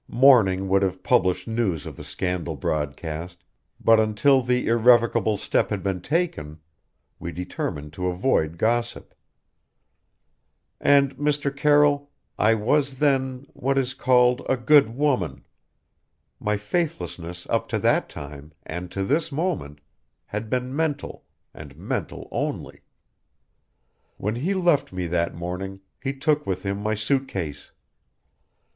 Morning would have published news of the scandal broadcast, but until the irrevocable step had been taken we determined to avoid gossip. And, Mr. Carroll I was then what is called a 'good woman'. My faithlessness up to that time, and to this moment, had been mental and mental only. "When he left me that morning he took with him my suit case.